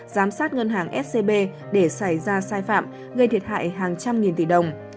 giám sát ngân hàng scb để xảy ra sai phạm gây thiệt hại hàng trăm nghìn tỷ đồng